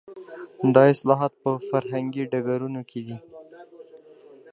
دا اصلاحات په فرهنګي ډګرونو کې دي.